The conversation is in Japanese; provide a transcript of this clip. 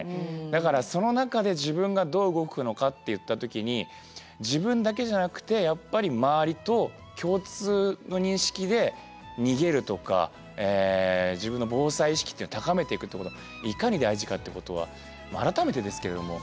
だからその中で自分がどう動くのかっていった時に自分だけじゃなくてやっぱり周りと共通の認識で逃げるとか自分の防災意識っていうのを高めていくっていうこといかに大事かってことは改めてですけれども感じました。